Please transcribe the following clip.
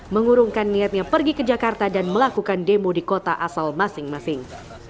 mengurungkan niatnya pergi ke jakarta dan melakukan demo di kota asal masing masing